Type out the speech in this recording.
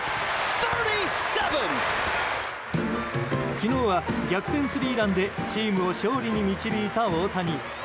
昨日は逆転スリーランでチームを勝利に導いた大谷。